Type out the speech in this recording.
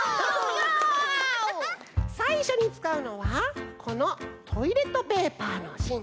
さいしょにつかうのはこのトイレットペーパーのしん。